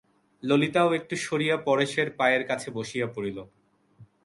ললিতাও একটু সরিয়া পরেশের পায়ের কাছে বসিয়া পড়িল।